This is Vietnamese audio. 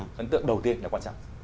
ấn tượng đầu tiên là quan trọng